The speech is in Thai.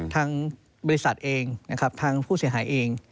ทางบริษัทเองทางผู้เสียหายเอง